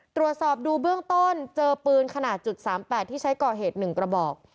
ตรวจสอบดูเบื้องต้นเจอปืนขนาด๓๘ที่ใช้ก่อเหตุ๑กระบอก